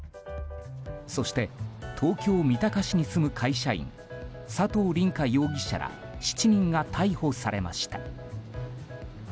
そして東京・三鷹市に住む会社員佐藤凜果容疑者ら７人が逮捕されました。